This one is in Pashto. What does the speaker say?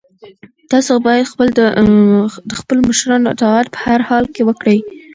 تاسو باید د خپلو مشرانو اطاعت په هر حال کې وکړئ.